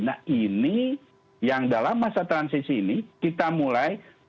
nah ini yang dalam masa transisi ini kita mulai